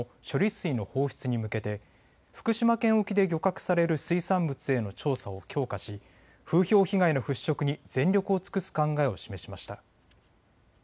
水の放出に向けて福島県沖で漁獲される水産物への調査を強化し風評被害の払拭に全力を尽くす考えを示しました。